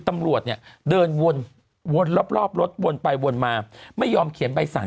ตำรวจเนี่ยเดินวนรอบรถวนไปวนมาไม่ยอมเขียนใบสั่ง